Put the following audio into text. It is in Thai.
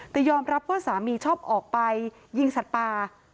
แต่ยอมรับว่าสามีชอบออกไปยิงสัตว์ป่า